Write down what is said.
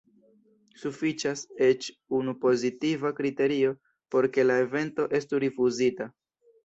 Sufiĉas eĉ unu pozitiva kriterio por ke la evento estu rifuzita.